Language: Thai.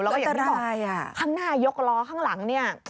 แล้วก็จะบอกข้างหน้ายกล้อข้างหลังเนี่ย